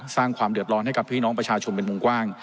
สร้างความเดือดร้อนให้กับพี่น้องประชาชนเป็นวงกว้าง